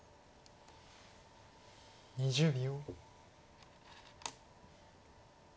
２０秒。